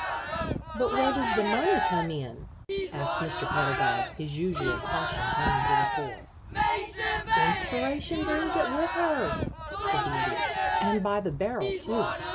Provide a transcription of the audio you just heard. "But where does the money come in?" asked Mr. Pedagog, his usual caution coming to the fore. "Inspiration brings it with her," said the Idiot, "and by the barrel, too.